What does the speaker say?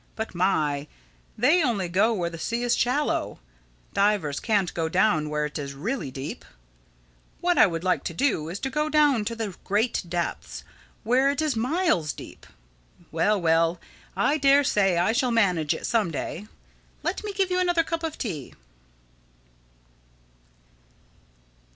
But my!—they only go where the sea is shallow. Divers can't go down where it is really deep. What I would like to do is to go down to the great depths—where it is miles deep—Well, well, I dare say I shall manage it some day. Let me give you another cup of tea."